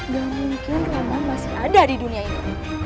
gak mungkin roman masih ada di dunia ini